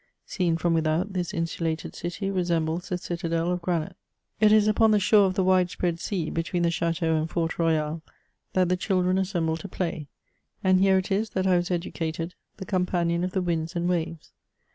Seen from with out, this insulated city resembles a citadel of granite. It is upon the shore of the wide spread sea, between the Chateau and Fort Royal, that the children assemble to play ; and here it is that I was educated, the companion of the winds and waves.